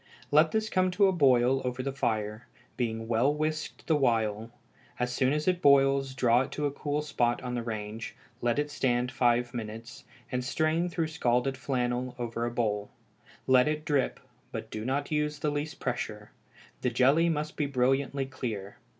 Let this come to a boil over the fire, being well whisked the while; as soon as it boils draw it to a cool spot on the range, let it stand five minutes, and strain through scalded flannel over a bowl; let it drip, but do not use the least pressure. This jelly must be brilliantly clear.